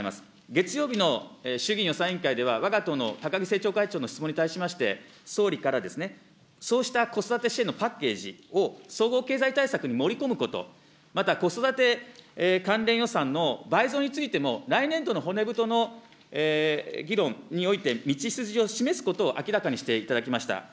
月曜日の衆議院予算委員会では、高木政調会長の質問に対しまして、総理からそうした子育て支援のパッケージを総合経済対策に盛り込むこと、また子育て関連予算の倍増についても、来年度の骨太の議論において、道筋を示すことを明らかにしていただきました。